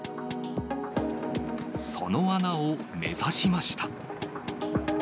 その穴を目指しました。